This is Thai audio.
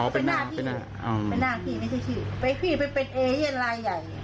เป็นหน้าที่เป็นหน้าพี่ไม่ใช่พี่ไปพี่ไปเป็นเอเย่นลายใหญ่